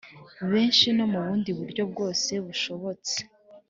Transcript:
benshi no mu bundi buryo bwose bushobotse